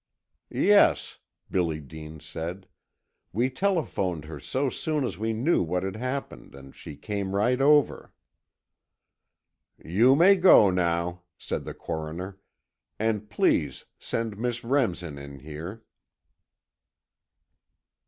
"Yes," Billy Dean said. "We telephoned her so soon as we knew what had happened, and she came right over." "You may go now," said the Coroner, "and please send Miss Remsen in here."